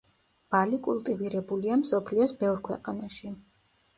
ბალი კულტივირებულია მსოფლიოს ბევრ ქვეყანაში.